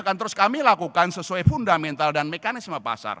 akan terus kami lakukan sesuai fundamental dan mekanisme pasar